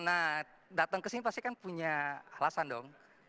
nah datang ke sini pasti kan punya alasan dong